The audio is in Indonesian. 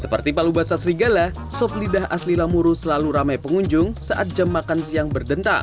seperti palu basah serigala sop lidah asli lamuru selalu ramai pengunjung saat jam makan siang berdentang